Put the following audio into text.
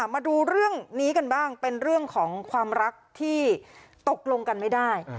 มาดูเรื่องนี้กันบ้างเป็นเรื่องของความรักที่ตกลงกันไม่ได้